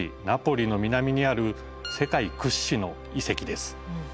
ナポリの南にある世界屈指の遺跡です。